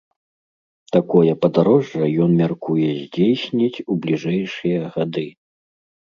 Такое падарожжа ён мяркуе здзейсніць у бліжэйшыя гады.